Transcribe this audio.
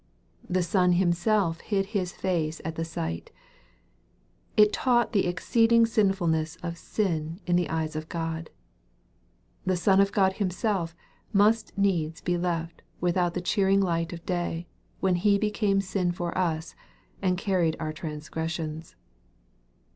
The sun himself hid his face at the sight It taught the exceeding sinfulness of sin in the eyes of God. The Son of God himself must needs be left without the cheering light of day, when He became sin for us and carried our transgressions.